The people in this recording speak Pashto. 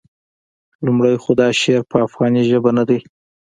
لومړی خو دا شعر په افغاني ژبه نه دی.